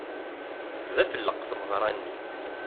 D afelleq tmeɣṛa-nni.